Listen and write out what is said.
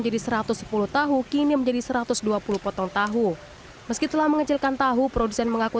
jadi satu ratus sepuluh tahu kini menjadi satu ratus dua puluh potong tahu meskipun mengecilkan tahu produsen mengaku